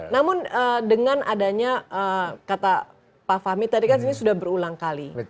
namun dengan adanya kata pak fahmi tadi kan ini sudah berulang kali